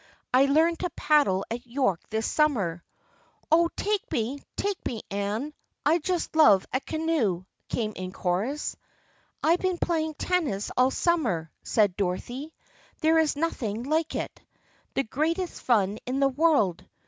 I learned to paddle at York this summer." " Oh, take me ! Take me, Anne ! I just love a canoe !" came in chorus. " I've been playing tennis all summer," said Dorothy. " There is nothing like it. The great est fun in the world.